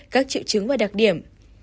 hai các triệu chứng và đặc điểm